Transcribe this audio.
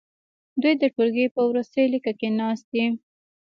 دوی د ټوولګي په وروستي لیکه کې ناست دي.